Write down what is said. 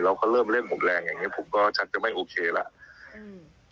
แล้วเขาเริ่มเล่นผมแรงอย่างนี้ผมก็ชัดจะไม่โอเคแล้ว